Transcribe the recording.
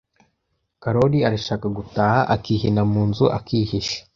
karori arashaaka gutaha akihina mu nzu, akihisha